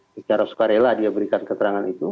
secara sukarela dia berikan keterangan itu